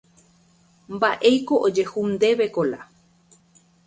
Mba'éiko ojehu ndéve Kola.